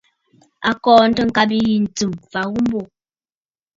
A kɔɔntə ŋgabə yǐ ntsɨ̀m m̀fa ghu mbô.